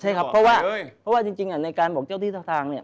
ใช่ครับเพราะว่าเพราะว่าจริงในการบอกเจ้าที่เจ้าทางเนี่ย